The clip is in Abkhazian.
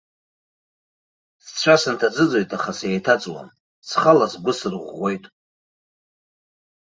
Сцәа сынҭаӡыӡоит, аха сеиҭаҵуам, схала сгәы сырӷәӷәоит.